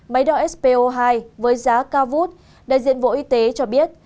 máy đo spo hai với giá cao vút đại diện bộ y tế cho biết